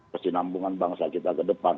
kesinambungan bangsa kita ke depan